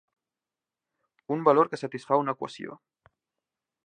Un valor que satisfà una equació.